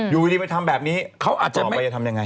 อยู่ดีไม่ทำแบบนี้จะตอบไปจะทำยังไง